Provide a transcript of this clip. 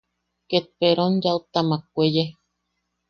Ket peron yaʼutamak weye.